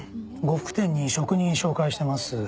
呉服店に職人紹介してます。